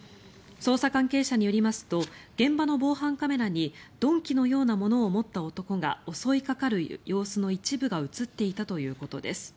捜査関係者によりますと現場の防犯カメラに鈍器のようなものを持った男が襲いかかる様子の一部が映っていたということです。